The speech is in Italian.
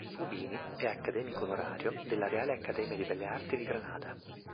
Fubini è accademico onorario della Reale Accademia di Belle Arti di Granada.